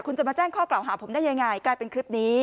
คุณจะมาแจ้งข้อกล่าวหาผมได้ยังไงกลายเป็นคลิปนี้